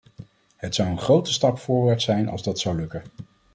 Het zou een grote stap voorwaarts zijn als dat zou lukken.